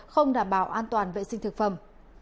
không đảm bảo an toàn vệ sinh thực phẩm